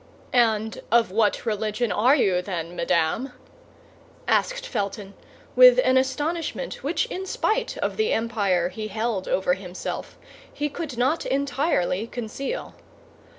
"And of what religion are you, then, madame?" asked Felton, with an astonishment which in spite of the empire he held over himself he could not entirely conceal.